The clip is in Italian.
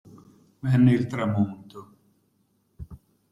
Venne il tramonto.